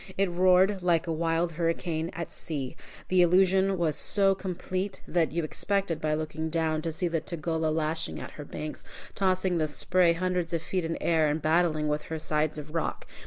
It roared like a wild hurricane at sea. The illusion was so complete, that you expected, by looking down, to see the Tugela lashing at her banks, tossing the spray hundreds of feet in air, and battling with her sides of rock.